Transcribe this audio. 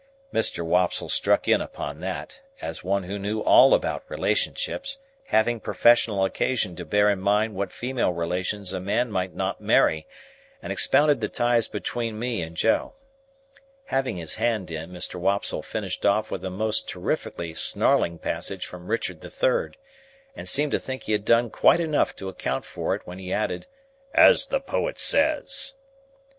Mr. Wopsle struck in upon that; as one who knew all about relationships, having professional occasion to bear in mind what female relations a man might not marry; and expounded the ties between me and Joe. Having his hand in, Mr. Wopsle finished off with a most terrifically snarling passage from Richard the Third, and seemed to think he had done quite enough to account for it when he added, "—as the poet says."